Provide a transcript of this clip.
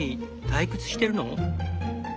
退屈してるの？